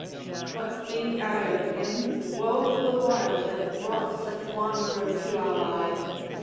'What think I of him? woe the while That brought such wanderer to our isle!